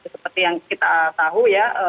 seperti yang kita tahu ya